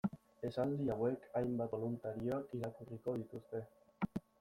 Esaldi hauek hainbat boluntariok irakurriko dituzte.